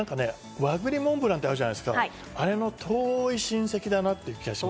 和栗モンブランってあるじゃないですか、アレの遠い親戚だなという感じ。